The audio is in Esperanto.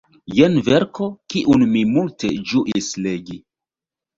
Jen verko, kiun mi multe ĝuis legi.